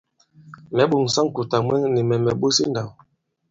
Mɛ̌ ɓòŋsa ŋ̀kùtà mwɛŋ, nì mɛ̀ mɛ̀ ɓos i ǹndāw.